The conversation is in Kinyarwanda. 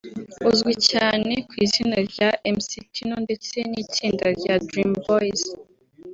uzwi cyane ku izina rya Mc Tino ndetse n’itsinda rya Dream Boys